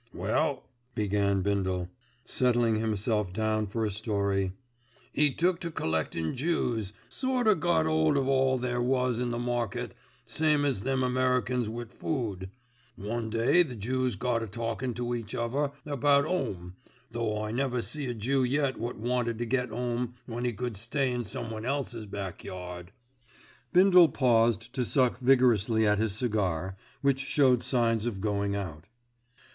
"Well," began Bindle, settling himself down for a story, "'E took to collectin' Jews, sort o' got 'old of all there was in the market, same as them Americans wi' food. One day the Jews got a talkin' to each other about 'ome, though I never see a Jew yet wot wanted to get 'ome when 'e could stay in someone else's backyard." Bindle paused to suck vigorously at his cigar, which showed signs of going out.